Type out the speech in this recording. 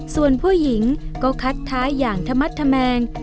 ส่วนผู้หญิงก็คัดท้ายอย่างธมัดธแมง